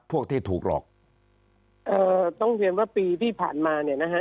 พวกที่ถูกหลอกเอ่อต้องเรียนว่าปีที่ผ่านมาเนี่ยนะฮะ